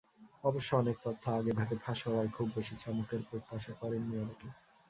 অবশ্য অনেক তথ্য আগেভাগে ফাঁস হওয়ায় খুব বেশি চমকের প্রত্যাশা করেননি অনেকে।